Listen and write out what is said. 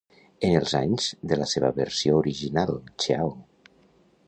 En els anys des de la seva versió original, Ciao!